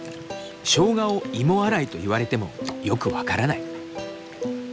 しょうがを芋洗いと言われてもよく分からない。